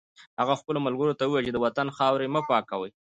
هغه خپلو ملګرو ته وویل چې د وطن خاورې مه پاکوئ